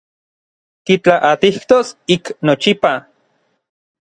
Kitlaatijtos ik nochipa.